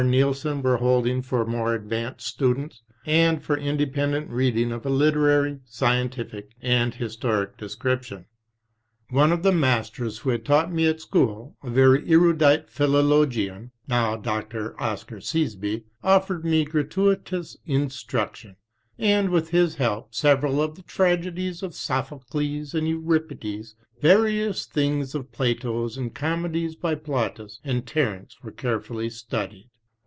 Nielsen were holding for more advanced students, and for independent reading of a literary, scientific and historic description. One of the masters who had taught me at school, a very erudite philologian, now Dr. Oscar Siesbye, offered me gra tuitous instruction, and with his help several of the tragedies of Sophocles and Euripides, various things of Plato's, and comedies by Plautus and Terence were carefully studied.